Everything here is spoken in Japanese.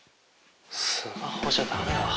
スマホじゃ駄目だ。